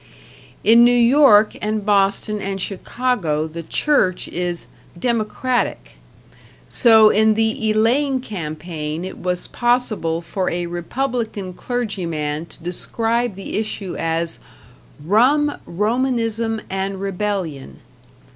In New York and Boston and Chicago the Church is "Democratic"; so in the Elaine campaign it was possible for a Republican clergyman to describe the issue as "Rum, Romanism and Rebellion."